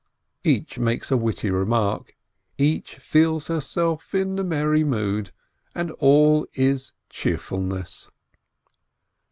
Each makes a witty remark, each feels herself in merry mood, and all is cheerfulness.